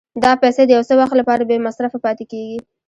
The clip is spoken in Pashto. دا پیسې د یو څه وخت لپاره بې مصرفه پاتې کېږي